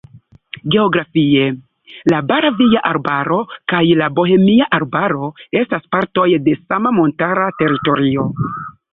Geografie la Bavaria Arbaro kaj la Bohemia Arbaro estas partoj de sama montara teritorio.